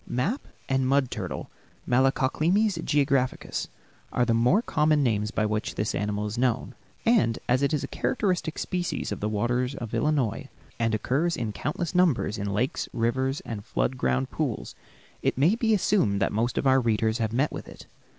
Map and mud turtle (Malacoclemmys geographicus) are the more common names by which this animal is known; and as it is a characteristic species of the waters of Illinois and occurs in countless numbers in lakes, rivers, and flood ground pools, it may be assumed that most of our readers have met with it.